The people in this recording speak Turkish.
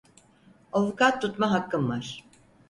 Avukat tutma hakkın var.